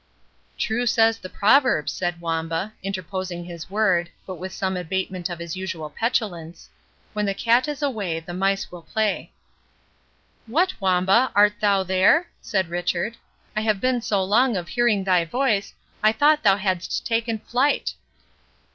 "True says the proverb," said Wamba, interposing his word, but with some abatement of his usual petulance,— "'When the cat is away, The mice will play.'" "What, Wamba, art thou there?" said Richard; "I have been so long of hearing thy voice, I thought thou hadst taken flight."